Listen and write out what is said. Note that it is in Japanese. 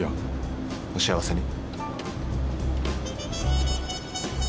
お幸せに。